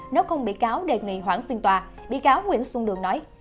nếu không bị cáo đề nghị hoãn phiên tòa bị cáo nguyễn xuân đường nói